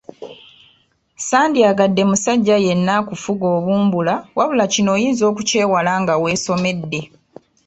Ssandyagadde musajja yenna akufuge obumbula wabula kino oyinza okukyewala nga weesomedde.